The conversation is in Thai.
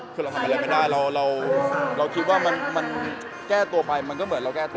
คือเราทำอะไรไม่ได้เราคิดว่ามันแก้ตัวไปมันก็เหมือนเราแก้ตัว